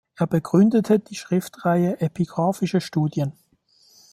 Er begründete die Schriftenreihe „Epigraphische Studien“.